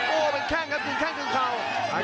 โอ้เป็นแค่งครับผูงแค่งจนเผาร้าย